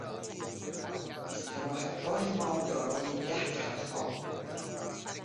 استراحتگاه ما دارای ده تختخواب بود.